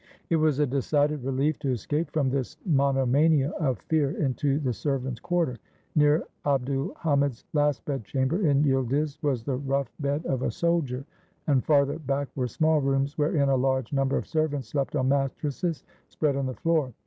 It was a decided relief to escape from this mono mania of fear into the servants' quarter. Near Abd ul Hamid 's last bedchamber in Yildiz was the rough 538 THE HOUSE OF FEAR bed of a soldier, and farther back were small rooms wherein a large number of servants slept on mattresses spread on the floor.